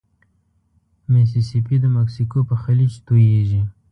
ميسي سي پي د مکسیکو په خلیج توییږي.